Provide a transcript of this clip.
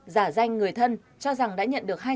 giả danh người thân cho rằng đã nhận được